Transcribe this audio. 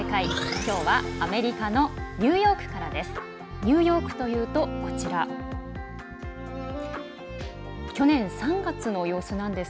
きょうは、アメリカのニューヨークからです。